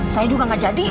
saya juga gak jadi